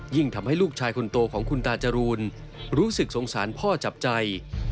ทำให้ลูกชายคนโตของคุณตาจรูนรู้สึกสงสารพ่อจับใจ